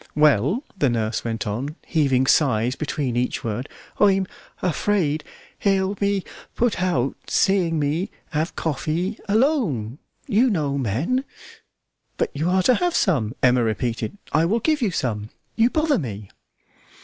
"Well," the nurse went on, heaving sighs between each word, "I'm afraid he'll be put out seeing me have coffee alone, you know men " "But you are to have some," Emma repeated; "I will give you some. You bother me!"